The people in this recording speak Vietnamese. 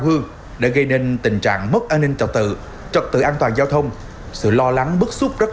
hư đã gây nên tình trạng mất an ninh trật tự trật tự an toàn giao thông sự lo lắng bức xúc rất